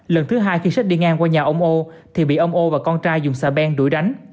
lần thứ hai khi xết đi ngang qua nhà ông âu thì bị ông âu và con trai dùng xà bèn đuổi đánh